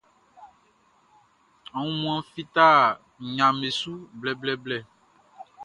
Aunmuanʼn fita nɲaʼm be su blɛblɛblɛ.